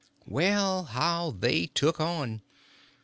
Well, how they all took on!